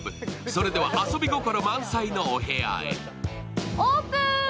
それでは、遊び心満載のお部屋へ。